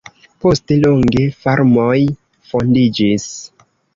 Poste longe farmoj fondiĝis.